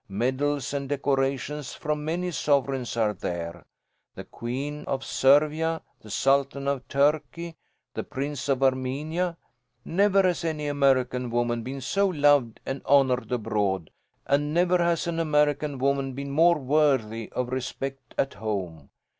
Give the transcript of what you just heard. Medals and decorations from many sovereigns are there the Queen of Servia, the Sultan of Turkey, the Prince of Armenia. Never has any American woman been so loved and honoured abroad, and never has an American woman been more worthy of respect at home.